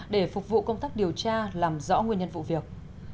để phục vụ công tác điều tra làm rõ nguyên nhân vụ việc